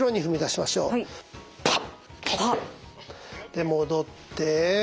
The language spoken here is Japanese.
で戻って。